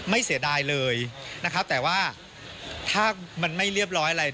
เสียดายเลยนะครับแต่ว่าถ้ามันไม่เรียบร้อยอะไร